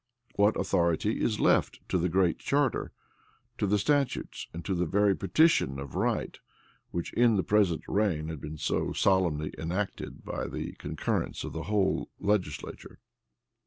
What authority is left to the Great Charter, to the statutes, and to the very petition of right, which in the present reign had been so solemnly enacted by the concurrence of the whole legislature?